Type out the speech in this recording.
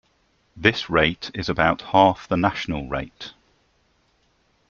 This rate is about half the national rate.